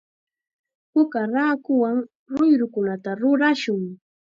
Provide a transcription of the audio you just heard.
Puka raakuwan ruyrukunata rurashun.